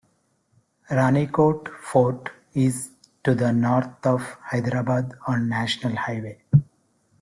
Ranikot Fort is to the north of Hyderabad on the national highway.